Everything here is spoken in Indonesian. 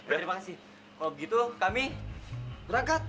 terima kasih kalau begitu kami berangkat